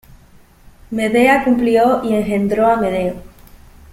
Medea cumplió y engendró a Medo.